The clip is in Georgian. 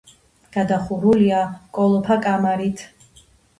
გადახურულია კოლოფა კამარით.